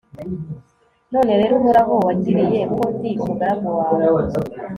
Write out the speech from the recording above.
none rero, uhoraho, wagiriye ko ndi umugaragu wawe